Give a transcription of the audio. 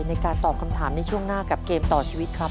ในการตอบคำถามในช่วงหน้ากับเกมต่อชีวิตครับ